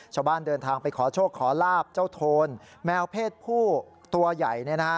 ชาวบ้านเดินทางไปขอโชคขอลาบเจ้าโทนแมวเพศผู้ตัวใหญ่